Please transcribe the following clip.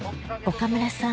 岡村さん